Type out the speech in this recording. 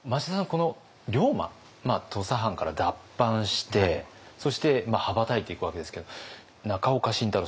この龍馬土佐藩から脱藩してそして羽ばたいていくわけですけど中岡慎太郎